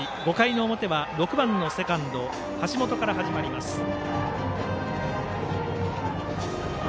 ５回の表は、６番セカンド橋本から始まります。